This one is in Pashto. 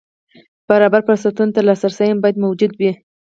برابر فرصتونو ته لاسرسی هم باید موجود وي.